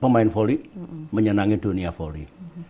pemain foli menyenangi dunia foli